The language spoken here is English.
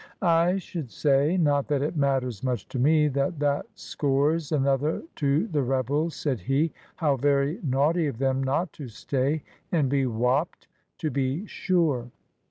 "I should say not that it matters much to me that that scores another to the rebels," said he. "How very naughty of them not to stay and be whopped, to be sure!"